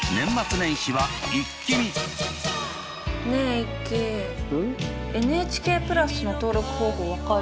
ねえイッキＮＨＫプラスの登録方法分かる？